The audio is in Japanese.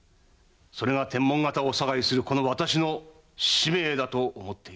それが天文方を差配するこの私の使命だと思っている。